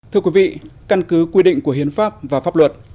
thưa quý vị căn cứ quy định của hiến pháp và pháp luật